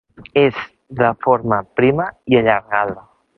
És de forma prima i allargada.